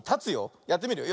やってみるよ。